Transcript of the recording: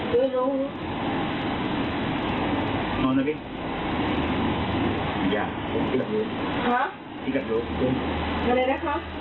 ห้า